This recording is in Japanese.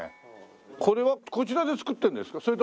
これはこちらで作ってるんですか？